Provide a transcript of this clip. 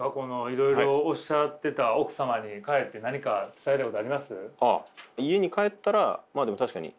いろいろおっしゃってた奥様に帰って何か伝えたいことあります？